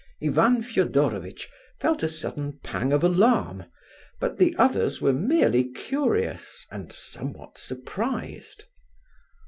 Ivan Fedorovitch felt a sudden pang of alarm, but the others were merely curious, and somewhat surprised.